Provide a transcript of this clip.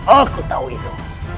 aku tahu itu